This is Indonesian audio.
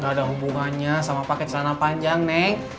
gak ada hubungannya sama pake celana panjang nek